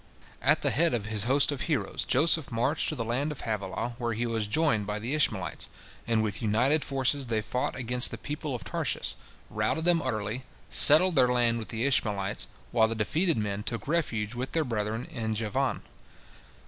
At the head of his host of heroes, Joseph marched to the land of Havilah, where he was joined by the Ishmaelites, and with united forces they fought against the people of Tarshish, routed them utterly, settled their land with the Ishmaelites, while the defeated men took refuge with their brethren in Javan.